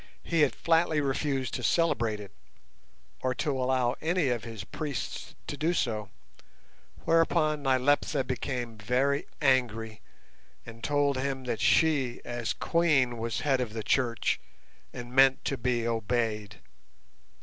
He had flatly refused to celebrate it, or to allow any of his priests to do so, whereupon Nyleptha became very angry and told him that she, as Queen, was head of the Church, and meant to be obeyed.